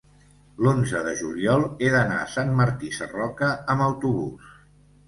l'onze de juliol he d'anar a Sant Martí Sarroca amb autobús.